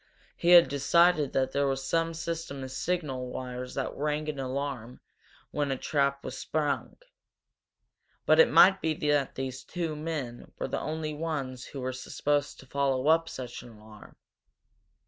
He had decided that there was some system of signal wires that rang an alarm when a trap was sprung. But it might be that these two men were the only ones who were supposed to follow up such an alarm.